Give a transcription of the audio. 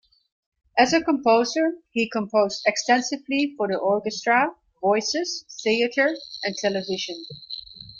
As a composer he composed extensively for the orchestra, voices, theatre and television.